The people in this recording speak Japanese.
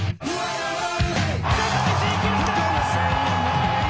世界新記録ー！